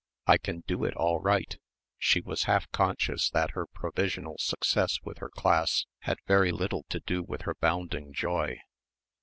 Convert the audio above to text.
I can do it all right," she was half conscious that her provisional success with her class had very little to do with her bounding joy.